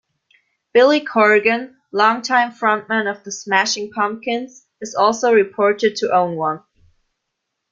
Billy Corgan, longtime frontman of The Smashing Pumpkins, is also reported to own one.